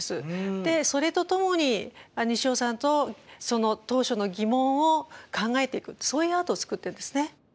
でそれとともに西尾さんと当初の疑問を考えていくそういうアートを作ってるんですね。